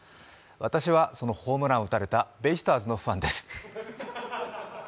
私はホームランを打たれたベイスターズのファンです。